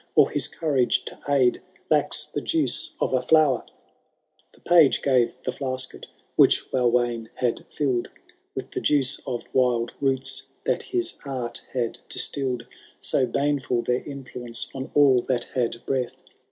Or, his courage to aid, lacks the juice of a flower P* The page gave the flasket, which Walwayn had fill*d With the juice of wild rooto that his art had distiU'd— So baneful their influence on all that had breath.